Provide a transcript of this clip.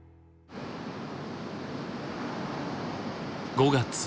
５月。